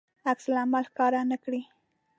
عکس العمل ښکاره نه کړي.